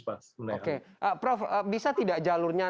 prof bisa tidak jalurnya